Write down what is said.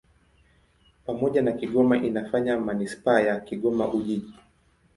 Pamoja na Kigoma inafanya manisipaa ya Kigoma-Ujiji.